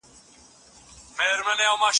مرکې د غلط فهمیو مخه نیسي.